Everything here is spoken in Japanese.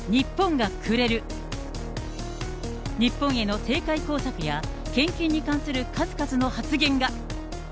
日本への政界工作や、献金に関する数々の発言が。